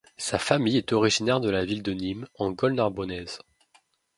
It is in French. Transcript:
Sa famille est originaire de la ville de Nîmes en Gaule narbonnaise.